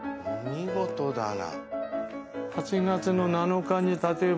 見事だな。